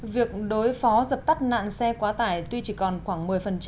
việc đối phó dập tắt nạn xe quá tải tuy chỉ còn khoảng một mươi